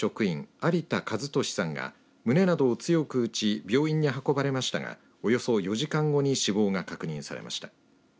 有田和俊さんが胸などを強く打ち病院に運ばれましたがおよそ４時間後に死亡が確認されました。